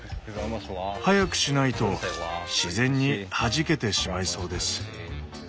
早くしないと自然にはじけてしまいそうです。